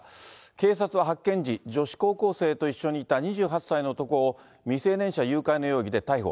警察は発見時、女子高校生と一緒にいた２８歳の男を、未成年者誘拐の容疑で逮捕。